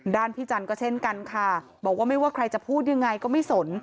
พี่จันทร์ก็เช่นกันค่ะบอกว่าไม่ว่าใครจะพูดยังไงก็ไม่สน